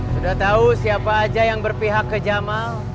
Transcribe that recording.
sudah tahu siapa aja yang berpihak ke jamal